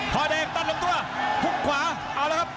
คอยแดงตัดลงตัวพลุกขวาเอาแล้วครับ